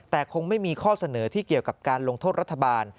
แต่คงไม่มีข้อเสนอที่เกี่ยวกับการลงโทษรัฐบาล